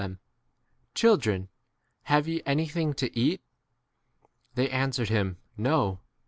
them, Children, have ye anything to eat ? They answered him, No.